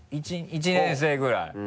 １年生ぐらい。